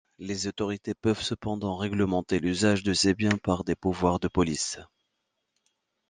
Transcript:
Les autorités peuvent cependant réglementer l’usage de ces biens par des pouvoirs de police.